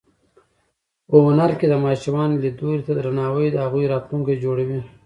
په هنر کې د ماشومانو لیدلوري ته درناوی د هغوی راتلونکی جوړوي.